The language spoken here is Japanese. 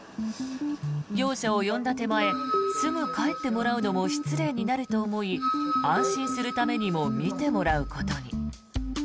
業者を呼んだ手前すぐ帰ってもらうのも失礼になると思い安心するためにも見てもらうことに。